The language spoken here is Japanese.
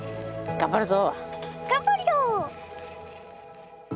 頑張るぞ！